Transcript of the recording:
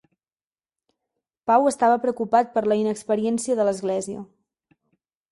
Pau estava preocupat per la inexperiència de l'Església.